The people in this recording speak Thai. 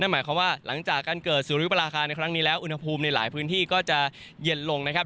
หมายความว่าหลังจากการเกิดสุริยุปราคาในครั้งนี้แล้วอุณหภูมิในหลายพื้นที่ก็จะเย็นลงนะครับ